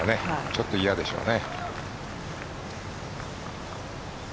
ちょっと嫌でしょうね。